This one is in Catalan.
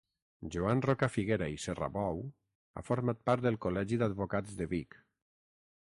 Joan Rocafiguera i Serrabou ha format part del Col·legi d'Advocats de Vic.